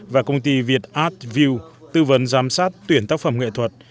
và công ty việt art view tư vấn giám sát tuyển tác phẩm nghệ thuật